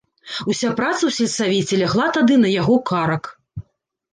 Уся праца ў сельсавеце лягла тады на яго карак.